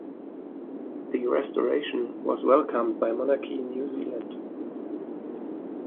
The restoration was welcomed by Monarchy New Zealand.